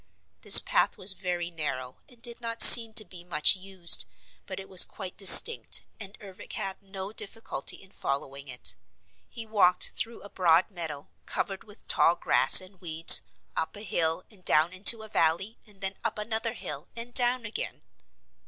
This path was very narrow and did not seem to be much used, but it was quite distinct and Ervic had no difficulty in following it. He walked through a broad meadow, covered with tall grass and weeds, up a hill and down into a valley and then up another hill and down again.